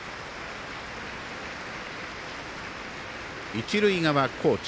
一塁側、高知。